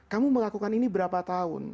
kamu melakukan ini berapa tahun